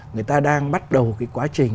người ta đang bắt đầu cái quá trình